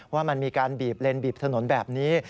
ว่ามันมีการบีบเลนบีบถนนแบบนี้